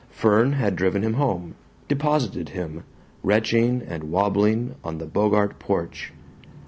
Fern had driven him home; deposited him, retching and wabbling, on the Bogart porch.